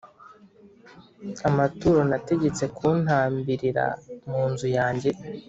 amaturo nategetse kuntambirira mu nzu yanjye